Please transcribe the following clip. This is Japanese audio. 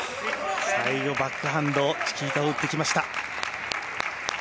最後バックハンドチキータを打ってきました。